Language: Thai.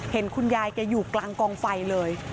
เห็นคุณยายแกอยู่กลางกองไฟเลย